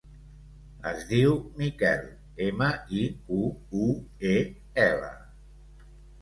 Es diu Miquel: ema, i, cu, u, e, ela.